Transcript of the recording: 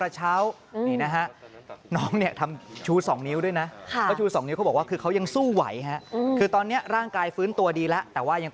ชีวิตนี้ถือว่าพวกเรามีชีวิตกัน